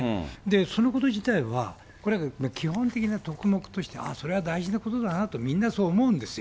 そういうこと自体はこれ基本的な徳目として、ああ、それは大事なことだなと、みんなそう思うんですよ。